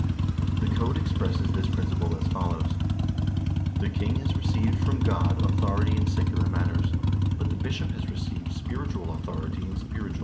2 The code expresses this principle as follows : "The king has received from God authority in secular matters, but the bishop has received spiritual authority in spiritual matters.